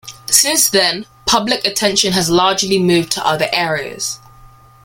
Since then, public attention has largely moved to other areas.